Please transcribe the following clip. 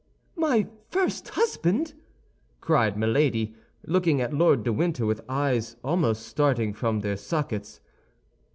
"My first husband!" cried Milady, looking at Lord de Winter with eyes almost starting from their sockets.